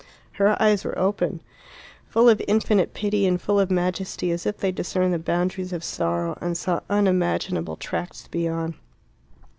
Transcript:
Her eyes were open, full of infinite pity and full of majesty, as if they discerned the boundaries of sorrow, and saw unimaginable tracts beyond.